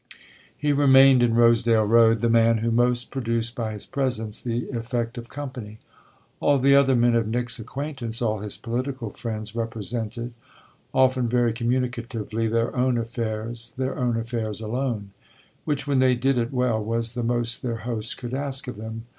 He remained in Rosedale Road the man who most produced by his presence the effect of company. All the other men of Nick's acquaintance, all his political friends, represented, often very communicatively, their own affairs, their own affairs alone; which when they did it well was the most their host could ask of them.